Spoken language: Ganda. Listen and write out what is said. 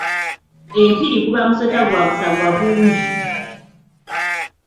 Empiri guba musota gwa busagwa bungi.